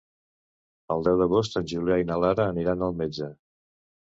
El deu d'agost en Julià i na Lara aniran al metge.